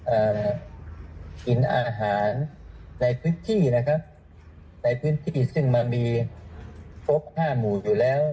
อ่ากินอาหารในพื้นที่นะครับในพื้นที่ซึ่งมันมีครบห้าหมู่อยู่แล้ว